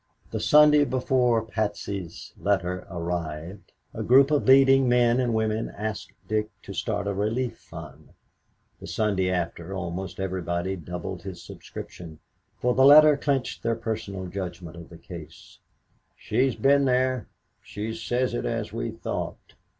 The Sunday before Patsy's letter arrived a group of leading men and women asked Dick to start a relief fund; the Sunday after, almost everybody doubled his subscription, for the letter clinched their personal judgment of the case. "She's been there; she says it as we thought."